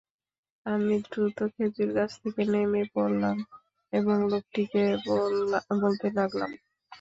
আমি দ্রুত খেজুর গাছ থেকে নেমে পড়লাম এবং লোকটিকে বলতে লাগলাম।